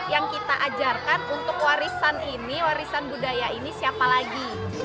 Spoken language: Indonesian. yang kita ajarkan untuk warisan ini warisan budaya ini siapa lagi